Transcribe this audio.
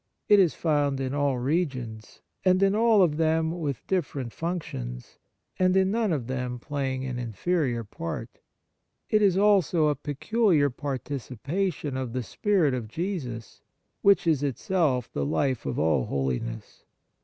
It is found in all regions, and in all of them with different functions, and in none of them playing an inferior part. It is also a peculiar participation of the spirit of Jesus which is itself the life of all holiness.